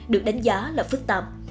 được đánh giá là phức tạp